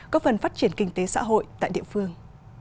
có phần phát triển kinh tế xã hội tại địa phương